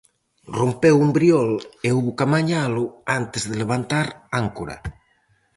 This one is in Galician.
Rompeu un briol e houbo que amañalo antes de levantar áncora.